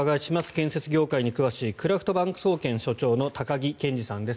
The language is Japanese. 建設業界に詳しいクラフトバンク総研所長の高木健次さんです。